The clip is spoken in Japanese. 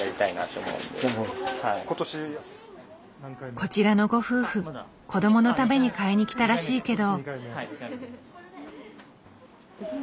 こちらのご夫婦子どものために買いにきたらしいけど。